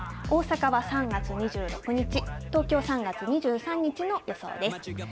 大阪は３月２６日、東京、３月２３日の予想です。